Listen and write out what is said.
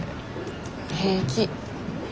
平気。